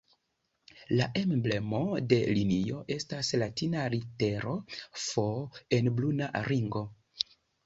La emblemo de linio estas latina litero "F" en bruna ringo.